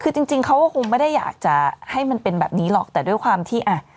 คือจริงจริงเขาก็คงไม่ได้อยากจะให้มันเป็นแบบนี้หรอกแต่ด้วยความที่อ่ะ